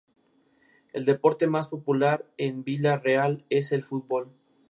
El deporte más popular en Vila Real es el fútbol.